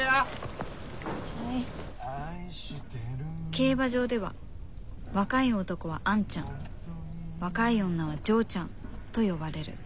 競馬場では若い男はアンちゃん若い女は嬢ちゃんと呼ばれる。